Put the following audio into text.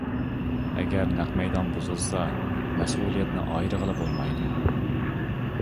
ئەگەر نەق مەيدان بۇزۇلسا، مەسئۇلىيەتنى ئايرىغىلى بولمايدۇ.